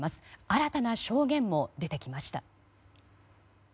新たな証言も出てきました。